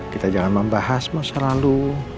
kita jangan membahas masa lalu